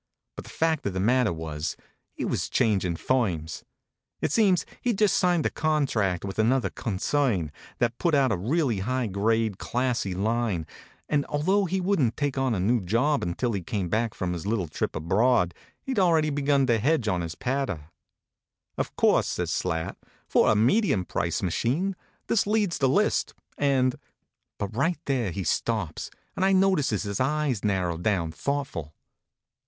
But, the fact of the matter was, he was changin firms. It seems he d just signed a contract with another con cern, that put out a really high grade, classy line, and although he wouldn t take on the new job until he came back from his little trip abroad, he d already begun to hedge on his patter. " Of course," says Slat, " for a medium priced machine, this leads the list, and But right there he stops, and I notices his eyes narrow down thoughtful.